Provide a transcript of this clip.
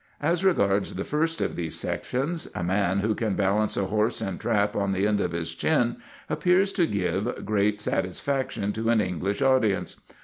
As regards the first of these sections, a man who can balance a horse and trap on the end of his chin appears to give great satisfaction to an English audience.